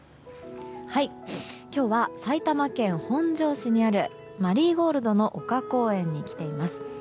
今日は埼玉県本庄市にあるマリーゴールドの丘公園に来ています。